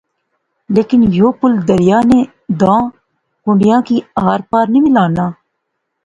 لیکن یو پل دریا نے داں کنڈیاں کی آر پار نی ملانا